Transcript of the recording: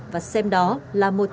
và xem đó là một